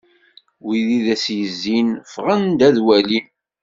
Wid i as-d-yezzin ffɣen-d ad walin.